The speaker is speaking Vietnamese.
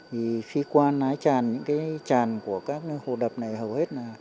vì khi qua nái tràn những cái tràn của các hồ đập này hầu hết là